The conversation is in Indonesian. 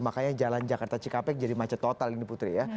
makanya jalan jakarta cikampek jadi macet total ini putri ya